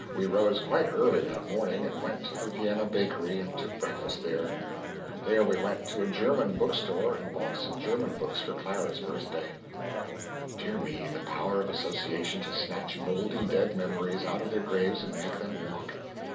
We rose quite early that morning and went to the Vienna Bakery and took breakfast there. From there we went to a German bookstore and bought some German books for Clara's birthday. Dear me, the power of association to snatch mouldy dead memories out of their graves and make them walk!